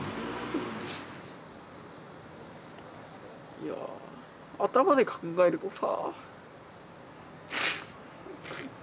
いや頭で考えるとさ。